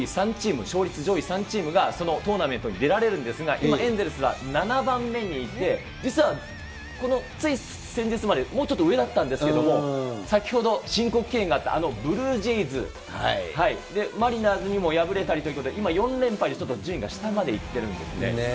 今、エンゼルス、どの位置にいるかというと、各地区の優勝チームと、２位以下の上位３チーム、勝率上位３チームがトーナメントに出られるんですが、今エンゼルスは７番目にいて、実はこのつい先日までもうちょっと上だったんですけれども、先ほど、申告敬遠があった、あのブルージェイズ、マリナーズにも敗れたりということで、今、４連敗でちょっと順位が下までいってるんですね。